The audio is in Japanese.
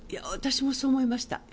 私も、そう思いました。